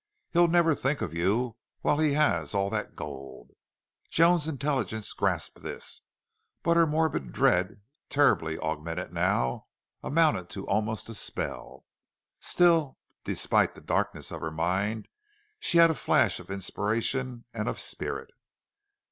"He'll never think of you while he has all that gold." Joan's intelligence grasped this, but her morbid dread, terribly augmented now, amounted almost to a spell. Still, despite the darkness of her mind, she had a flash of inspiration and of spirit.